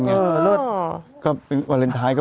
เวลาวาเลนดรายก็ไม่จำเป็น